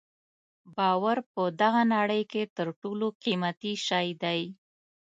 باور په دغه نړۍ کې تر ټولو قیمتي شی دی.